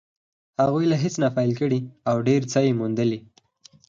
هغوی له هېڅ نه پيل کړی او ډېر څه يې موندلي.